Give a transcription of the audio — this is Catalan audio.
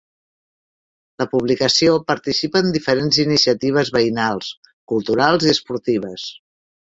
La publicació participa en diferents iniciatives veïnals, culturals i esportives.